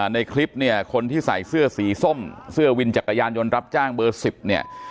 ในคลิปเนี่ยคนที่ใส่เสื้อสีส้มเสื้อวินจักรยานยนต์รับจ้างเบอร์๑๐เนี่ย